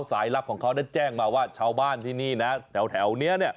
สายลับของเขาได้แจ้งมาว่าชาวบ้านที่นี่นะแถวนี้